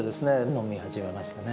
飲み始めましたね。